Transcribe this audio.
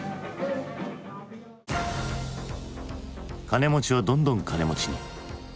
金持ちはどんどん金持ちに。